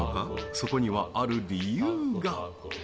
そこには、ある理由が。